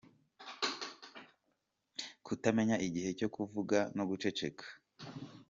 Kutamenya igihe cyo kuvuga no guceceka.